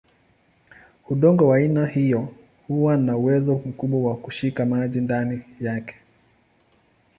Udongo wa aina hiyo huwa na uwezo mkubwa wa kushika maji ndani yake.